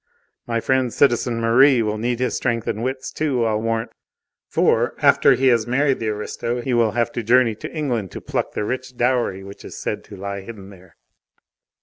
My friend, citizen Merri, will need strength and wits too, I'll warrant, for, after he has married the aristo, he will have to journey to England to pluck the rich dowry which is said to lie hidden there."